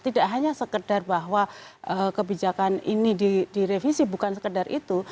tidak hanya sekedar bahwa kebijakan ini direvisi bukan sekedar itu